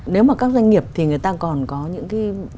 nếu mà các doanh nghiệp thì người ta còn có những cái